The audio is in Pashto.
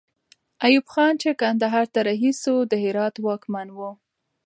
ایوب خان چې کندهار ته رهي سو، د هرات واکمن وو.